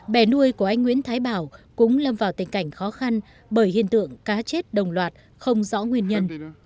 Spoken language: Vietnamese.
bè nuôi của anh nguyễn thái bảo cũng lâm vào tình cảnh khó khăn bởi hiện tượng cá chết đồng loạt không rõ nguyên nhân